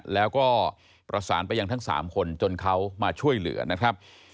แล้วก็ประสานไปยังทั้ง๓คนจนเขามาช่วยเหลือนะครับ